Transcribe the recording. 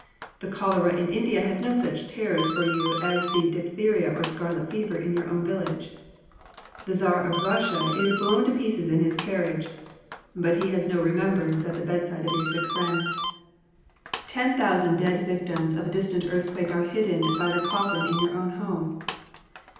The cholera in India has no such terrors for you as the diphtheria or scarlet fever in your own village. The Czar of Russia is blown to pieces in his carriage; but he has no remembrance at the bedside of your sick friend. Ten thousand dead victims of a distant earthquake are hidden by the coffin in your own home.